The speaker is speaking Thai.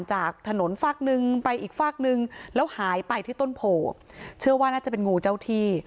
เชื่อว่าน่าจะเป็นงูเจ้าที่